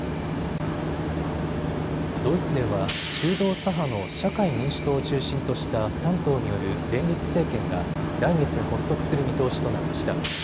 ドイツでは中道左派の社会民主党を中心とした３党による連立政権が来月発足する見通しとなりました。